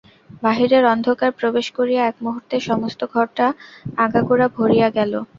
বাহিরের অন্ধকার প্রবেশ করিয়া একমুহূর্তে সমস্ত ঘরটা আগাগোড়া ভরিয়া গেল।